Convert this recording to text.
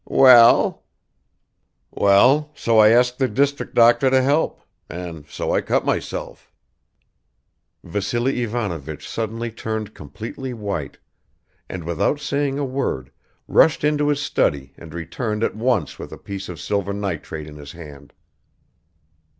"Well?" "Well, so I asked the district doctor to help; and so I cut myself." Vassily Ivanovich suddenly turned completely white, and without saying a word rushed into his study and returned at once with a piece of silver nitrate in his hand.